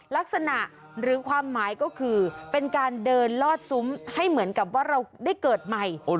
ลักษณะหรือความหมายก็คือเป็นการเดินลอดซุ้มให้เหมือนกับว่าเราได้เกิดใหม่